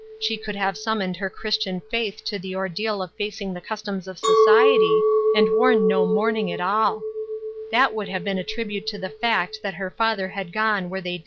She could have summoned her Christian faith to the ordeal of facing the customs of society, and worn no mourning at all ; that would have been a tribute to the fact that her father had gone where they LOGIC AND INTERROGATION POINTS.